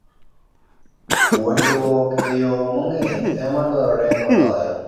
Puonjruok e yo mong'ith ema dwarore moloyo.